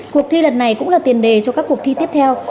cuộc thi lần này cũng là tiền đề cho các cuộc thi tiếp theo